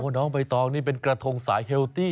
โอ้น้องใบทองนี่เป็นเกลื้อทงสายเฮลตี้